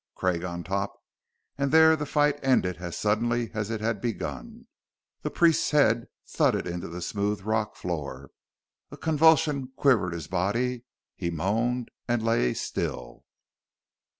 Craig on top, and there the fight ended as suddenly as it had begun. The priest's head thudded into the smooth rock floor; a convulsion quivered his body; he moaned and lay still.